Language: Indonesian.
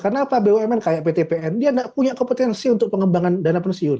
karena bumn kayak ptpn dia nggak punya kompetensi untuk pengembangan dana pensiun